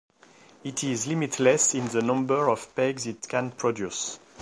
It is limitless in the number of pegs it can produce.